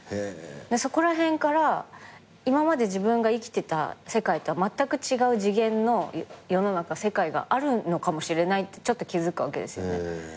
そこら辺から今まで自分が生きてた世界とはまったく違う次元の世の中世界があるのかもしれないってちょっと気付くわけですよね。